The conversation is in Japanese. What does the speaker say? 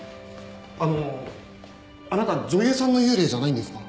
あのうあなた女優さんの幽霊じゃないんですか？